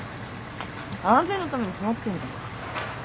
安全のために決まってんじゃん。